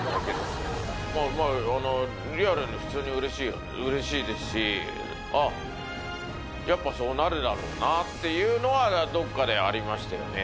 リアルに普通にうれしいですしあっやっぱそうなるだろうなっていうのはどっかでありましたよね